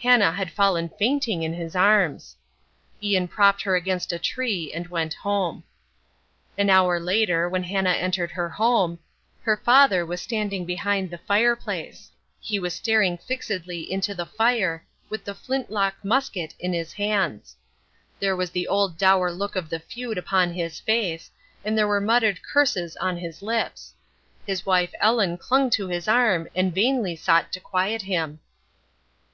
Hannah had fallen fainting in his arms. Ian propped her against a tree, and went home. An hour later, when Hannah entered her home, her father was standing behind the fireplace. He was staring fixedly into the fire, with the flint lock musket in his hands. There was the old dour look of the feud upon his face, and there were muttered curses on his lips. His wife Ellen clung to his arm and vainly sought to quiet him.